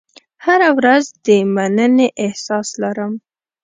هره ورځ د مننې احساس لرم.